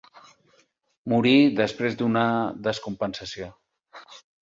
Morí després d'una descompensació.